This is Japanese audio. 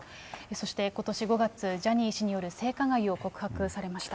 そしてことし５月、ジャニー氏による性加害を告白されました。